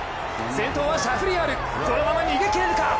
先頭はシャフリヤールこのまま逃げ切れるか。